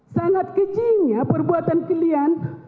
sangat kecinya perbuatan kalian